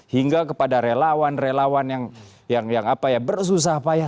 hingga kepada relawan relawan yang bersusah payah